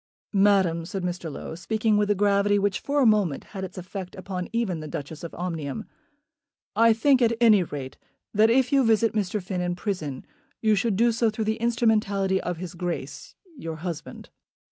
"Madam," said Mr. Low, speaking with a gravity which for a moment had its effect even upon the Duchess of Omnium, "I think, at any rate, that if you visit Mr. Finn in prison, you should do so through the instrumentality of his Grace, your husband."